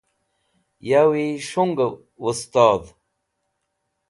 Yawi shungẽ wẽstodh.